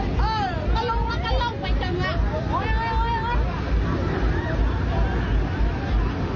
ทำไมไม่ลงไปเจ๊หลัก